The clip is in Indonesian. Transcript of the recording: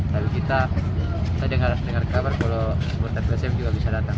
lalu kita saya dengar dengar kabar kalau supporter psm juga bisa datang